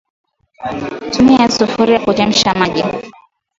Tumia sufuria kuchemsha maji